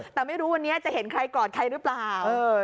แต่ไม่รู้วันนี้จะเห็นใครกอดใครหรือเปล่า